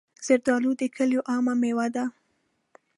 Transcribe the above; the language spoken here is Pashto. زردالو د کلیو عامه مېوه ده.